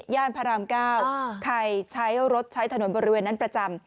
พระราม๙ใครใช้รถใช้ถนนบริเวณนั้นประจำ